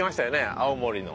青森の。